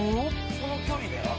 その距離で？